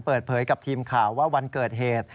เปิดเผยกับทีมข่าวว่าวันเกิดเหตุ